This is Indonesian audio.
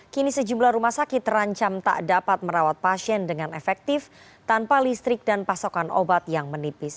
kini sejumlah rumah sakit terancam tak dapat merawat pasien dengan efektif tanpa listrik dan pasokan obat yang menipis